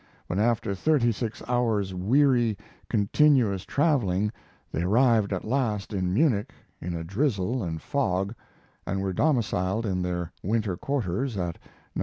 When, after thirty six hours weary, continuous traveling, they arrived at last in Munich in a drizzle and fog, and were domiciled in their winter quarters, at No.